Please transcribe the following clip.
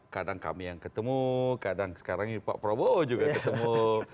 kadang kami yang ketemu kadang sekarang ini pak prabowo juga ketemu